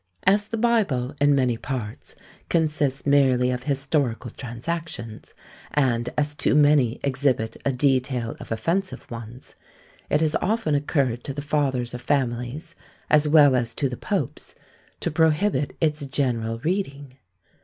As the Bible, in many parts, consists merely of historical transactions, and as too many exhibit a detail of offensive ones, it has often occurred to the fathers of families, as well as to the popes, to prohibit its general reading.